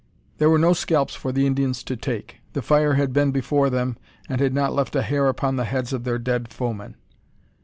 There were no scalps for the Indians to take. The fire had been before them, and had not left a hair upon the heads of their dead foemen.